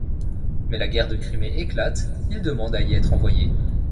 Mais la guerre de Crimée éclate, il demande à y être envoyé.